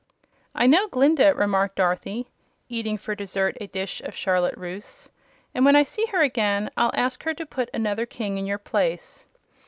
"I know Glinda," remarked Dorothy, eating for dessert a dish of charlotte russe, "and when I see her again, I'll ask her to put another King in your place."